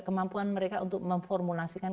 kemampuan mereka untuk memformulasikan